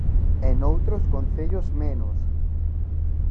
¡E noutros concellos menos!